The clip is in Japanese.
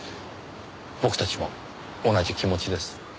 僕たちも同じ気持ちです。